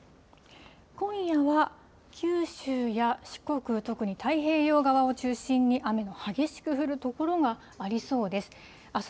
今夜は九州や四国、特に太平洋側を中心に、雨の激しく降る所がありそうです。